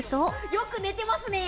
よく寝てますね。